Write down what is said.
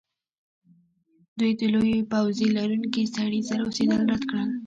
دوی د لویې پوزې لرونکي سړي سره اوسیدل رد کړل